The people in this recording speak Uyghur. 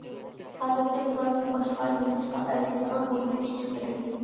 ھازىرچە بۇلاردىن باشقا يېزىشقا ئەرزىيدىغان مۇھىم ئىش چىقمىدى.